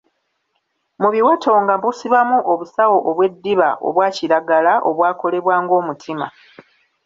Mu biwato nga busibamu obusawo obw'eddiba obwa kiragala obwakolebwa ng'omutima.